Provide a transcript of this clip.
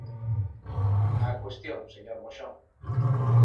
Á cuestión, señor Moxón.